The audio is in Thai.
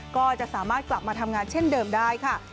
ก็จะสามารถกลับมาทำงานเช่นเดิมได้ค่ะ